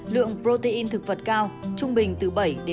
lượng protein thực vật cao trung bình từ bảy ba mươi năm